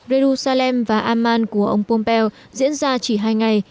erusalem và amman của ông pompeo diễn ra chỉ hai ngày